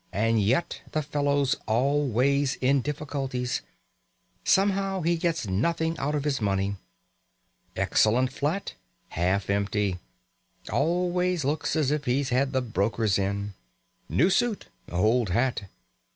And yet the fellow's always in difficulties. Somehow he gets nothing out of his money. Excellent flat half empty! Always looks as if he'd had the brokers in. New suit old hat!